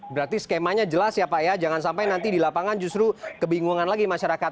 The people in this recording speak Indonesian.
berarti skemanya jelas ya pak ya jangan sampai nanti di lapangan justru kebingungan lagi masyarakat